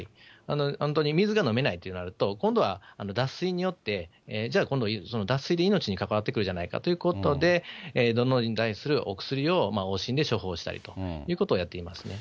本当に水が飲めないとなると、今度は脱水によって、じゃあ今度、脱水で命に関わってくるじゃないかということで、のどに対するお薬を往診で処方したりということをやっています。